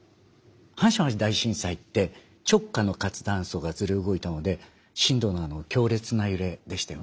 阪神・淡路大震災って直下の活断層がずれ動いたので震度の強烈な揺れでしたよね。